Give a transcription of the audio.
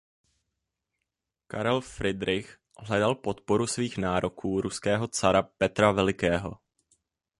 Karel Fridrich hledal podporu svých nároků ruského cara Petra Velikého.